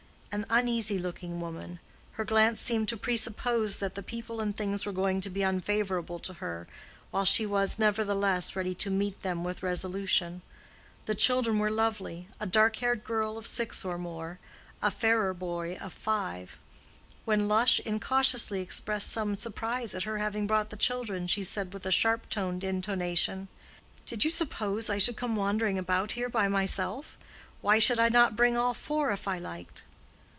An uneasy looking woman: her glance seemed to presuppose that the people and things were going to be unfavorable to her, while she was, nevertheless, ready to meet them with resolution. The children were lovely—a dark haired girl of six or more, a fairer boy of five. When Lush incautiously expressed some surprise at her having brought the children, she said, with a sharp toned intonation, "Did you suppose I should come wandering about here by myself? Why should I not bring all four if I liked?"